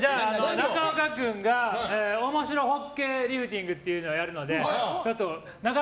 中岡君が面白ホッケーリフティングっていうのをやるので。